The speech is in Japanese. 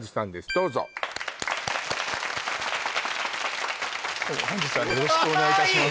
どうぞ本日はよろしくお願いいたします